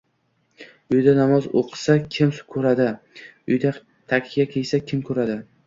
— Uyida namoz o‘qisa, kim ko‘radi? Uyida takya kiysa, kim ko‘radi?